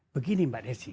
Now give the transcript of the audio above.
begini mbak desy